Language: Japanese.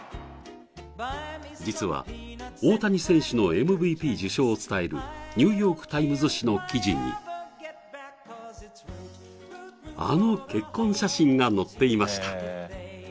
実は大谷選手のＭＶＰ受賞を伝えるニューヨーク・タイムズ紙の記事にあの結婚写真が載っていました